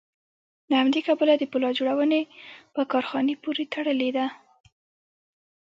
له همدې کبله د پولاد جوړونې په کارخانې پورې تړلې ده